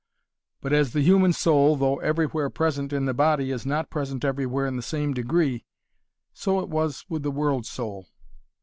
But as the human soul though everywhere present in the body is not present everywhere in the same degree, so it was with the world soul.